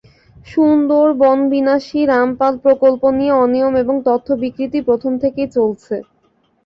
সুন্দরবনবিনাশী রামপাল প্রকল্প নিয়ে অনিয়ম এবং তথ্য বিকৃতি প্রথম থেকেই চলছে।